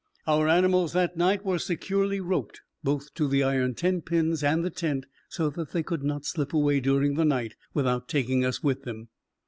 Our animals that night were securely roped both to the iron tent pins and the tent, so that they could not slip away during the night without taking us with them.